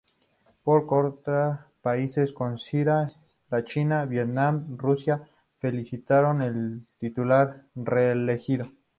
Por contra, países como Siria, la China, Vietnam, y Rusia felicitaron al titular reelegido.